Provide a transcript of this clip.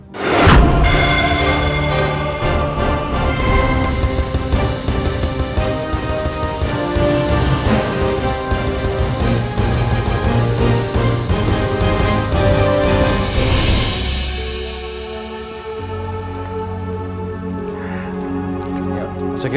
ya terima kasih